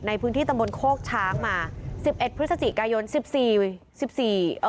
ในพื้นที่ตำบลโคกช้างมาสิบเอ็ดพฤศจิกายนสิบสี่สิบสี่เอ่อ